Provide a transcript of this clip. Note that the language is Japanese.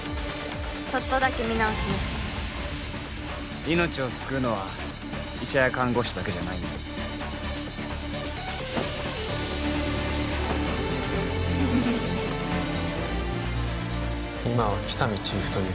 ちょっとだけ見直しました命を救うのは医者や看護師だけじゃないんで今は喜多見チーフという